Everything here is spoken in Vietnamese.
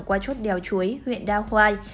qua chốt đèo chuối huyện đa khoai